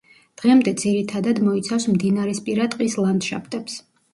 დღემდე ძირითადად მოიცავს მდინარისპირა ტყის ლანდშაფტებს.